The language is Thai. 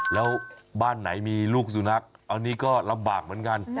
แล้วบ้านไหนมีลูกสุนัขอันนี้ก็ลำบากเหมือนกัน